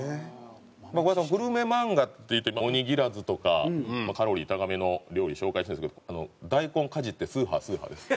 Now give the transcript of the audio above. まあグルメ漫画っていうとおにぎらずとかカロリー高めの料理紹介するんですけど「大根かじってスーハスーハ」です。